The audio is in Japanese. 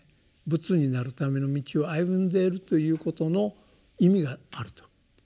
仏になるための道を歩んでいるということの意味があると。